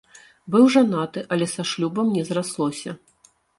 Быў жанаты, але са шлюбам не зраслося.